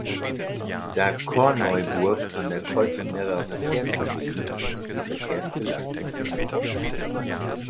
Da Korneuburg an der Kreuzung mehrerer Verkehrswege liegt, ist die Verkehrsbelastung enorm.